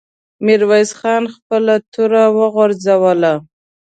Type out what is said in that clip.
ميرويس خان خپله توره وغورځوله.